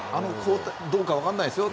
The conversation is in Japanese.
どうか分からないですよ。